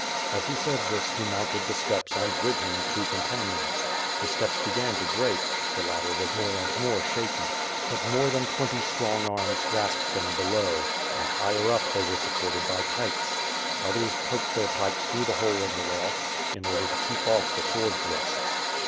As he said this, he mounted the steps and, with him, two companions. The steps began to break; the ladder was more and more 494 ^^^^^'^^^^^^ SWORD. shaky; but more than twenty strong arms grasped them be low, and, higher up, they wisre supported by pikes. Others poked their pikes through the hole in the loft, in order to keep off the sword thrusts.